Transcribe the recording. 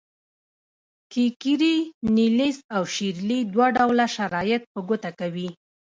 کیکیري، نیلیس او شیرلي دوه ډوله شرایط په ګوته کوي.